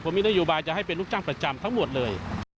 ผมมีนโยบายจะให้เป็นลูกจ้างประจำทั้งหมดเลย